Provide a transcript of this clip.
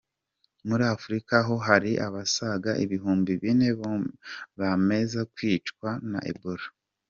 Muri Afurika ho hari abasaga ibihumbi bine bamaze kwicwa na Ebola.